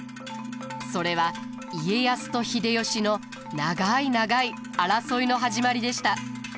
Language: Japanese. それは家康と秀吉の長い長い争いの始まりでした。